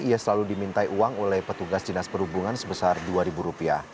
ia selalu dimintai uang oleh petugas dinas perhubungan sebesar rp dua